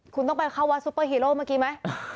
คุณต้องไปเข้าวัดซุปเปอร์ฮีโร่เมื่อกี้ไหม